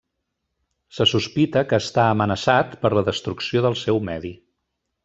Se sospita que està amenaçat per la destrucció del seu medi.